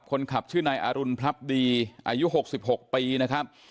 คนขับชื่อนายอรุณพลับดีอายุ๖๖ปีนะครับ